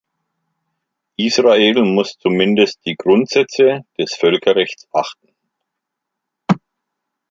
Israel muss zumindest die Grundsätze des Völkerrechts achten.